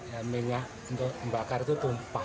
ya minyak untuk membakar itu tumpah